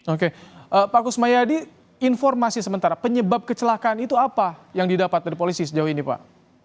oke pak kusmayadi informasi sementara penyebab kecelakaan itu apa yang didapat dari polisi sejauh ini pak